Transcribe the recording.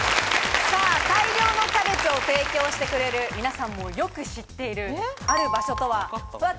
大量のキャベツを提供してくれる皆さんもよく知っているある場所とは？